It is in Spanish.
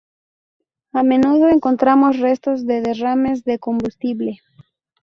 A menudo encontramos restos de derrames de combustible.